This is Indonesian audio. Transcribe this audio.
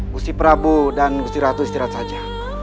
gusi prabu dan gusti ratu istirahat saja